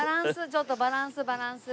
ちょっとバランスバランス。